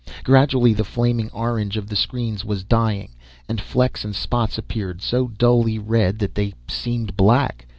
Gradually the flaming orange of the screens was dying and flecks and spots appeared so dully red, that they seemed black.